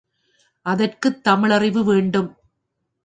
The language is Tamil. அதற்குத் தமிழறிவு வேண்டும்.